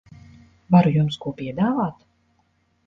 Varu jums ko piedāvāt?